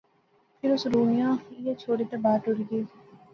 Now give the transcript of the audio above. فیر اس رونیا ایہہ چھوڑی تے باہر ٹری گئی